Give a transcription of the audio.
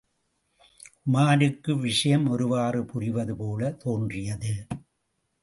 உமாருக்கு விஷயம் ஒருவாறு புரிவது போலத் தோன்றியது.